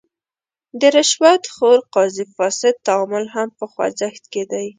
د رشوت خور قاضي فاسد تعامل هم په خوځښت کې دی.